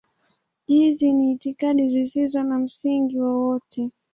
Hizi ni itikadi zisizo na msingi wowote.